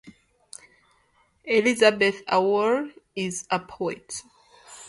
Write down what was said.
Elizabeth Awori is a poet.